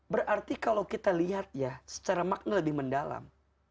berarti kalau kita lihat ya secara makna lebih mendalam